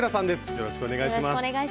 よろしくお願いします。